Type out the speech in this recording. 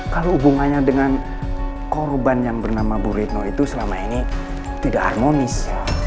kalau hubungannya dengan korban yang bernama bu retno itu selama ini tidak harmonis